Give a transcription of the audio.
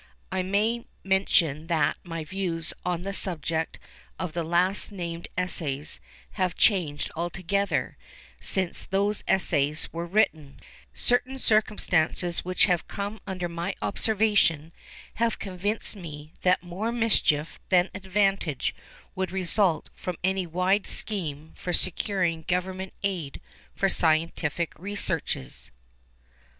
I may mention that my views on the subject of the last named Essays have changed altogether since those Essays were written—certain circumstances which have come under my observation having convinced me that more mischief than advantage would result from any wide scheme for securing Government aid for scientific researches.